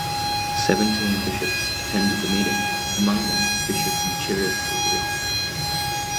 Seventeen bishops attended the meeting, among them Bishop Eucherius of Lyons.